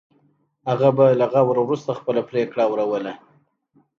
هغه به له غور وروسته خپله پرېکړه اوروله.